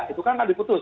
itu kan tidak diputus